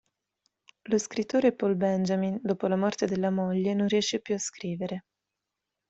Lo scrittore Paul Benjamin, dopo la morte della moglie, non riesce più a scrivere.